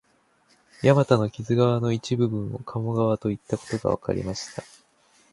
大和の木津川の一部分を鴨川といったことがわかりました